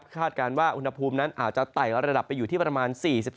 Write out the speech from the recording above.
การว่าอุณหภูมินั้นอาจจะไต่ระดับไปอยู่ที่ประมาณ๔๓